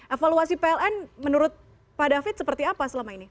evaluasi pln menurut pak david seperti apa selama ini